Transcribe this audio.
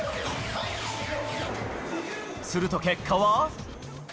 すると結果は。